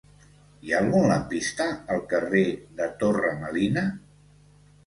Hi ha algun lampista al carrer de Torre Melina?